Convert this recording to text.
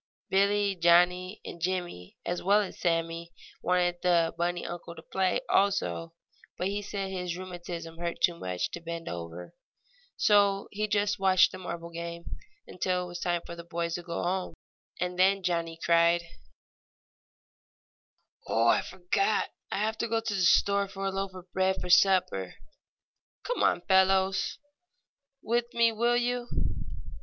Billie, Johnnie and Jimmie, as well as Sammie, wanted the bunny uncle to play also, but he said his rheumatism hurt too much to bend over. So he just watched the marble game, until it was time for the boys to go home. And then Johnnie cried: "Oh, I forgot! I have to go to the store for a loaf of bread for supper. Come on, fellows, with me, will you?"